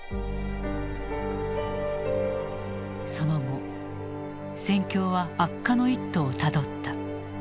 その後戦況は悪化の一途をたどった。